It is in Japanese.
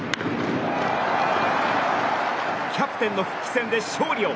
キャプテンの復帰戦で勝利を。